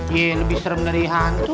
ya lebih serem dari hantu